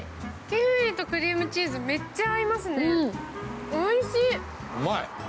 キウイとクリームチーズ、めっちゃ合いますね、おいしい。